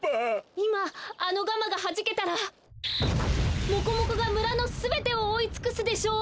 いまあのガマがはじけたらモコモコがむらのすべてをおおいつくすでしょう！